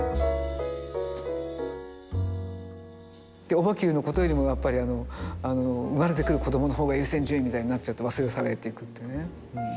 オバＱのことよりもやっぱり生まれてくる子どもの方が優先順位みたいになっちゃって忘れ去られていくっていうね。